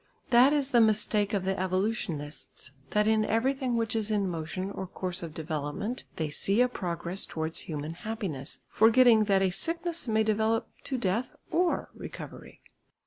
That is the mistake of the evolutionists that in everything which is in motion or course of development they see a progress towards human happiness, forgetting that a sickness may develop to death or recovery.